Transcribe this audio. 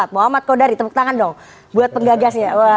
muhammad kodari tepuk tangan dong buat penggagasnya